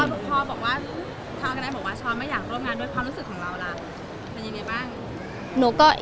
พ่อบอกว่าช้อนไม่อยากร่วมงานด้วยความรู้สึกของเราล่ะ